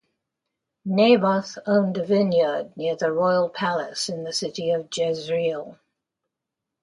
Naboth owned a vineyard near the royal palace in the city of Jezreel.